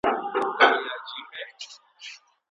د بریا رڼا یوازي مستحقو ته نه سي منسوبېدلای.